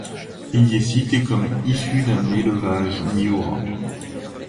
Il y est cité comme issu d'un élevage Miura.